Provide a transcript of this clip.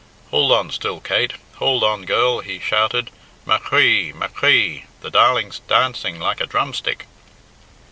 "Hould on still, Kate, hould on, girl!" he shouted. "Ma chree! Machree! The darling's dancing like a drumstick!"